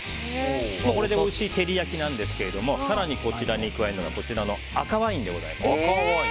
これでおいしい照り焼きなんですけど更にこちらに加えるのが赤ワインでございます。